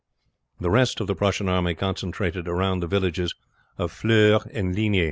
The rest of the Prussian army concentrated round the villages of Fleurs and Ligny.